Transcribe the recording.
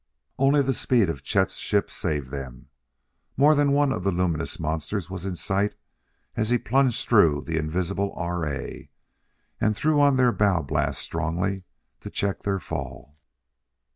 Only the speed of Chet's ship saved them; more than one of the luminous monsters was in sight as he plunged through the invisible R. A. and threw on their bow blast strongly to check their fall.